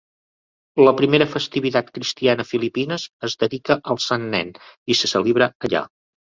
La primera festivitat cristiana a Filipines es dedicà al Sant Nen i se celebra allà.